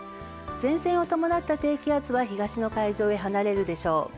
前線を伴った低気圧は東の海上へ離れるでしょう。